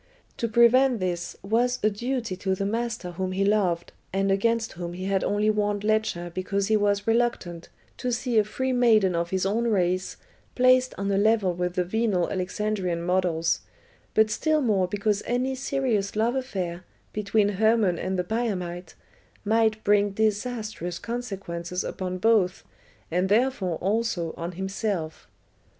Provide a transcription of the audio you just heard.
To prevent this was a duty to the master whom he loved, and against whom he had only warned Ledscha because he was reluctant to see a free maiden of his own race placed on a level with the venal Alexandrian models, but still more because any serious love affair between Hermon and the Biamite might bring disastrous consequences upon both, and therefore also on himself.